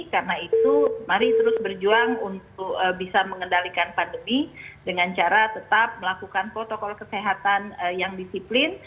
karena itu mari terus berjuang untuk bisa mengendalikan pandemi dengan cara tetap melakukan protokol kesehatan yang disiplin